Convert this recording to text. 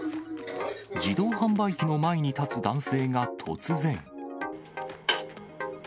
自動販売機の前に立つ男性が突然。